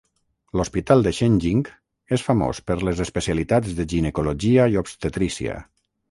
L'Hospital de Shengjing és famós per les especialitats de ginecologia i obstetrícia.